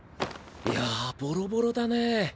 いやボロボロだねぇ。